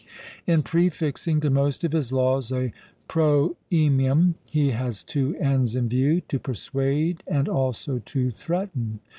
In prefixing to most of his laws a prooemium he has two ends in view, to persuade and also to threaten.